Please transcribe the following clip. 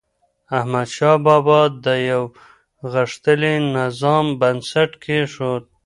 احمدشاه بابا د یو غښتلي نظام بنسټ کېښود.